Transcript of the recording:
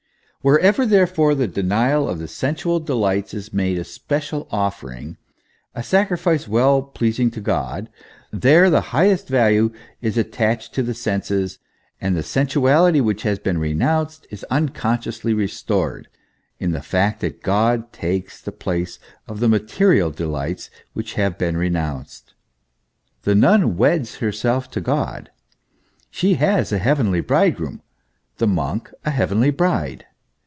Wherever, therefore, the denial of the sensual delights is made a special offering, a sacrifice well pleasing to God, there the highest value is attached to the senses, and the sensuality which has been renounced is unconsciously restored, in the fact that God takes the place of the material delights which have "been renounced. The nun weds herself to God ; she has a heavenly bridegroom, the monk a heavenly bride.